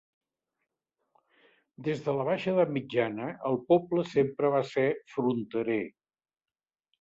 Des de la baixa edat mitjana, el poble sempre va ser fronterer.